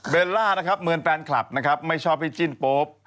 ล่านะครับเหมือนแฟนคลับนะครับไม่ชอบให้จิ้นโป๊ป